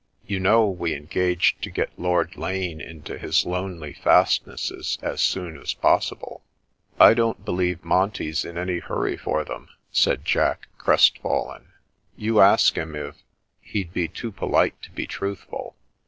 You know we engaged to get Lord Lane into his lonely fastnesses as soon as possible ——"" I don't believe Monty's in any hurry for them," said Jack, crestfallen. " You ask him if "" He'd be too polite to be truthful.